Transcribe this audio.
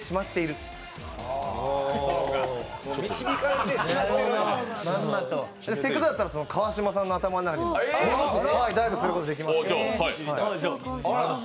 せっかくだったら川島さんの頭の中にダイブすることできます。